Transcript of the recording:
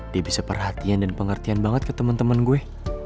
dia bisa perhatian dan pengertian banget ke teman teman gue